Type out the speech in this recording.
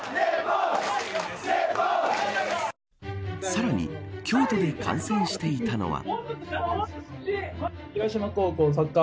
さらに京都で観戦していたのは。